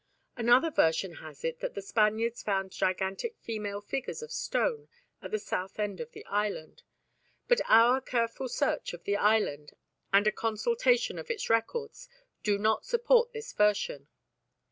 Another version has it that the Spaniards found gigantic female figures of stone at the south end of the island, but our careful search of the island and a consultation of its records do not support this version.